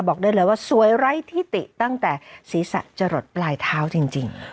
บอกได้เลยว่าสวยไร้ที่ติตั้งแต่ศีรษะจะหลดปลายเท้าจริง